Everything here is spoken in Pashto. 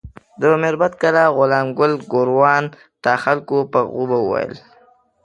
د میربت کلا غلام ګل ګوروان ته خلکو پک غوبه ویل.